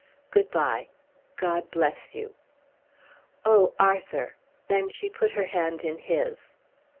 Good bye. God bless you!" "Oh, Arthur!" Then she put her hand in his.